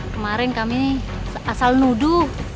kemarin kami asal nudu